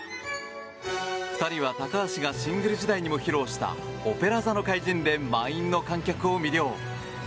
２人は高橋がシングル時代にも披露した「オペラ座の怪人」で満員の観客を魅了。